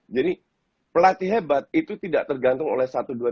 jadi pelatih hebat itu tidak tergantung oleh pelatih hebat